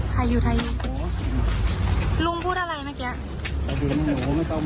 ใครอยู่ไทยอยู่ลุงพูดอะไรเมื่อกี้